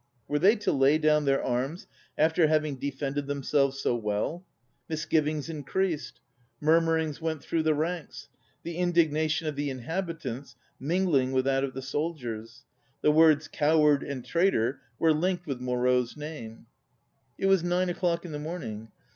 Were they to lay down their arms after having defended them selves so well? Misgivings in creased. Murmurings went through the ranks, the indignation of the inhabitants mingling with that of the soldiers. The words "coward'' 55 ON READING and " traitor " were linked with Moreau's name. It was 9 o'clock in the morning.